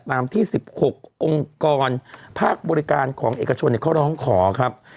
ที่๑๖องค์กรภาคบริการของเอกชนเขาร้องขอครับ